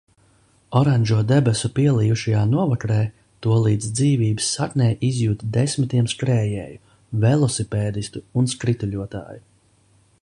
Oranžo debesu pielijušajā novakarē to līdz dzīvības saknei izjūt desmitiem skrējēju, velosipēdistu un skrituļotāju.